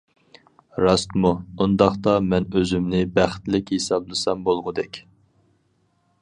— راستمۇ؟ ئۇنداقتا مەن ئۆزۈمنى بەختلىك ھېسابلىسام بولغۇدەك.